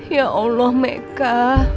ya allah meka